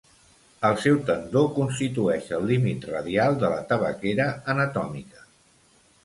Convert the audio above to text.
El seu tendó constitueix el límit radial de la tabaquera anatòmica.